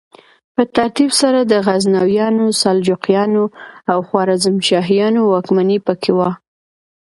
په ترتیب سره د غزنویانو، سلجوقیانو او خوارزمشاهیانو واکمني پکې وه.